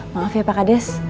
maaf ya pak kades